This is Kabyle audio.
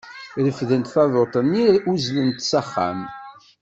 Refdent taduṭ-nni uzlent s axxam.